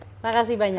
terima kasih banyak